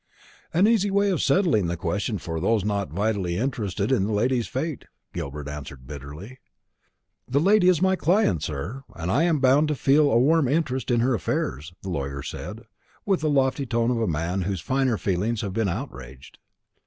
"An easy way of settling the question for those not vitally interested in the lady's fate," Gilbert answered bitterly. "The lady is my client, sir, and I am bound to feel a warm interest in her affairs," the lawyer said, with the lofty tone of a man whose finer feelings have been outraged.